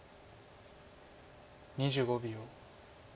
２５秒。